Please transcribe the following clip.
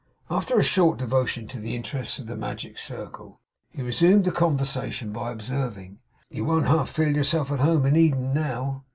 After a short devotion to the interests of the magic circle, he resumed the conversation by observing: 'You won't half feel yourself at home in Eden, now?